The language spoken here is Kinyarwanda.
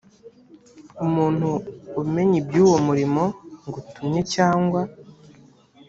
umuntu umenya iby uwo murimo ngutumye cyangwa